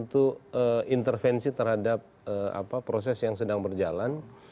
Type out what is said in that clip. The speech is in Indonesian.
untuk intervensi terhadap proses yang sedang berjalan